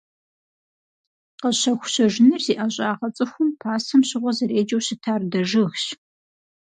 Къэщэху-щэжыныр зи ӀэщӀагъэ цӀыхум пасэм щыгъуэ зэреджэу щытар дэжыгщ.